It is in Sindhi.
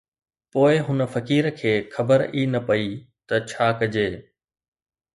پوءِ هن فقير کي خبر ئي نه پئي ته ڇا ڪجي